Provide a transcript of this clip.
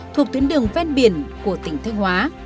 thuộc tuyến đường ven biển của tỉnh thế hóa